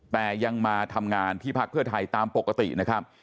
แต่ยังมาทำงานที่พักเพื่อไทยตามปกตินะครับ